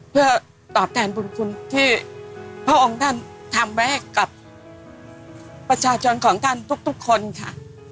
เพื่อตอบแทนบุญคุณที่พระองค์ท่านทำไว้ให้กับประชาชนของท่านทุกคนค่ะ